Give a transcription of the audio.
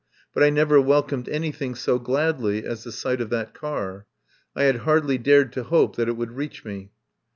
But I never welcomed anything so gladly as the sight of that car. I had hardly dared to hope that it would reach me.